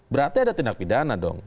berarti ada tindak pidana dong